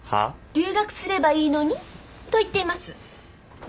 「留学すればいいのに」と言っています。